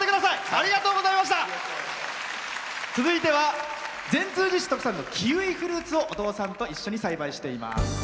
続いては善通寺市特産のキウイフルーツをお父さんと一緒に栽培しています。